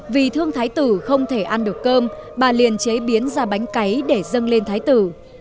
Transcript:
vì thương thái tử không thể ăn được cơm bà liền chế biến ra bánh cấy để dâng lên thái tử